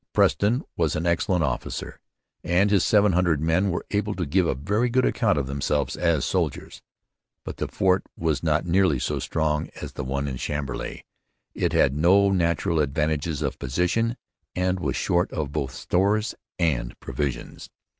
Preston was an excellent officer, and his seven hundred men were able to give a very good account of themselves as soldiers. But the fort was not nearly so strong as the one at Chambly; it had no natural advantages of position; and it was short of both stores and provisions.